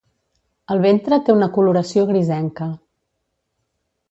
El ventre té una coloració grisenca.